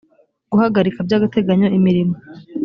guhagarika by agateganyo imirimo